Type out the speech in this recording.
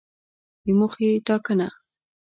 د موخې ټاکنه